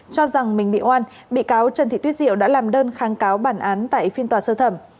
cho rằng mình bị oan bị cáo trần thị tuyết diệu đã làm đơn kháng cáo bản án tại phiên tòa sơ thẩm